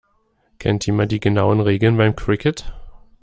Kennt jemand die genauen Regeln beim Cricket?